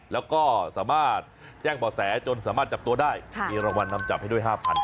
แล้วก็สามารถแจ้งบ่อแสจนสามารถจับตัวได้มีรางวัลนำจับให้ด้วย๕๐๐บาท